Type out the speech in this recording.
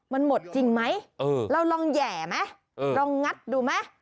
มันหมดจริงไหมเราลองแห่ไหมลองงัดดูไหม